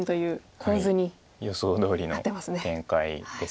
予想どおりの展開です。